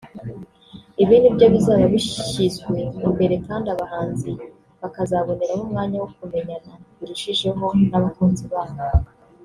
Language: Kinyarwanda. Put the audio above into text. Ibi nibyo bizaba bishyizwe imbere kandi abahanzi bakazaboneraho umwanya wo kumenyana birushijeho n’abakunzi babo